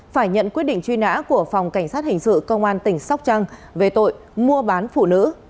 phải nhận quyết định truy nã của phòng cảnh sát hình sự công an tỉnh sóc trăng về tội mua bán phụ nữ